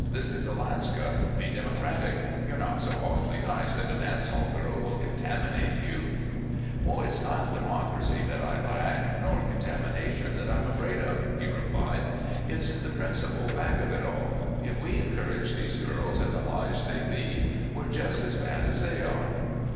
"This is Alaska. Be democratic. You're not so awfully nice that a dance hall girl will contaminate you." "It's not democracy that I lack, nor contamination that I'm afraid of," he replied. "It's the principle back of it all. If we encourage these girls in the lives they lead, we're just as bad as they are."